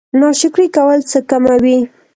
ناشکري کول څه کموي؟